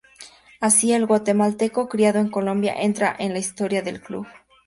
Así, el guatemalteco criado en Colombia, entra en la historia del club.